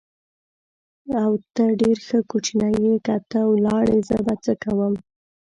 او، ته ډېر ښه کوچنی یې، که ته ولاړې زه به څه کوم؟